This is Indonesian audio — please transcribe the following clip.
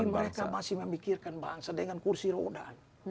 mereka masih memikirkan bangsa dengan kursi roda